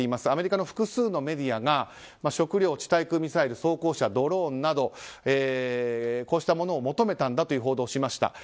アメリカの複数のメディアが食料、地対空ミサイル装甲車、ドローンなどこうしたものを求めたんだと報道しました。